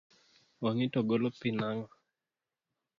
Wang’i to golo pi nang’o?